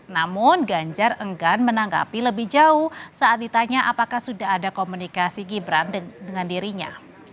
namun ganjar enggan menanggapi lebih jauh saat ditanya apakah sudah ada komunikasi gibran dengan dirinya